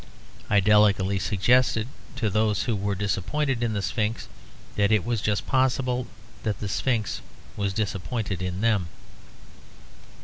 I delicately suggested to those who were disappointed in the Sphinx that it was just possible that the Sphinx was disappointed in them.